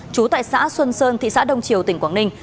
trú tại xã xuân sơn thị xã đông triều tỉnh quảng ninh